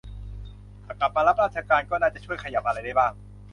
ถ้ากลับมารับราชการก็น่าจะช่วยขยับอะไรได้บ้าง